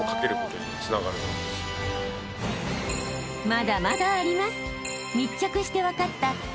［まだまだあります］